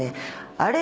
「あれ？